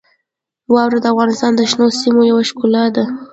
واوره د افغانستان د شنو سیمو یوه ښکلا ده.